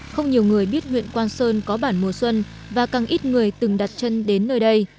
không nhiều người biết huyện quang sơn có bản mùa xuân và càng ít người từng đặt chân đến nơi đây